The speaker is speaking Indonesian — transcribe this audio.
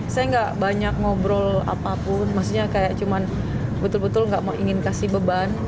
saya tidak banyak ngobrol apapun maksudnya cuma betul betul tidak ingin memberikan beban